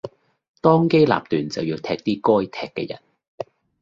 當機立斷就要踢啲該踢嘅人